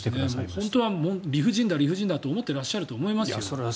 本当は理不尽だと思っていらっしゃると思いますよ。